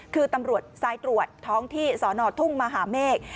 คือตำรวจสายตรวจท้องที่สอนอทุ่งมหาเมฆ